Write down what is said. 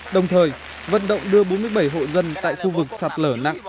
đồng thời vận động đưa bốn mươi bảy hộ dân tại khu vực sạt lở nặng